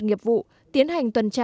nghiệp vụ tiến hành tuần tra